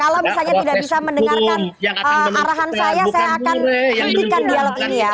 kalau misalnya tidak bisa mendengarkan arahan saya saya akan hentikan dialog ini ya